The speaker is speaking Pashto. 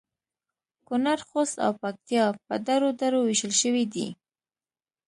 کونړ ، خوست او پکتیا په درو درو ویشل شوي دي